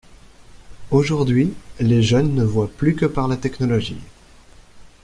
Aujourd’hui, les jeunes ne voient plus que par la technologie.